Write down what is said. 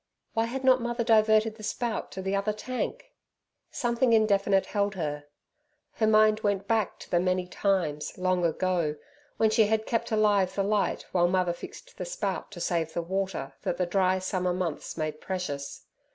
Why had not mother diverted the spout to the other tank! Something indefinite held her. Her mind went back to the many times long ago when she had kept alive the light while mother fixed the spout to save the water that the dry summer months made precious.